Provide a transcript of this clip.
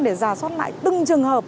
để ra soát lại từng trường hợp